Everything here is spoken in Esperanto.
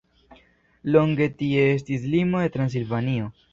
Longe tie estis limo de Transilvanio.